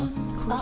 あ！